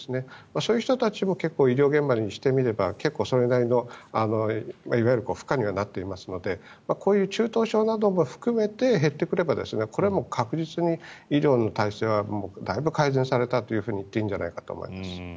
そういう人たちも医療現場にしてみればそれなりのいわゆる負荷にはなっていますのでこういう中等症なども含めて減ってくればこれは確実に医療の体制はだいぶ改善されたと言っていいんじゃないかと思います。